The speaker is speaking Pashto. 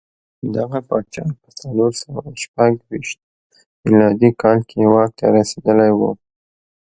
دغه پاچا په څلور سوه شپږ ویشت میلادي کال کې واک ته رسېدلی و.